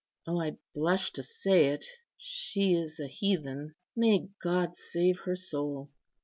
O, I blush to say it; she is a heathen! May God save her soul!